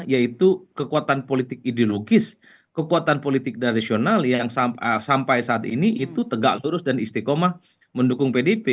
yaitu kekuatan politik ideologis kekuatan politik dan rasional yang sampai saat ini itu tegak lurus dan istiqomah mendukung pdip